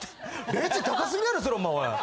レジ高すぎるやろそれお前。